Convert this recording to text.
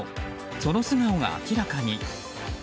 その素顔が明らかに。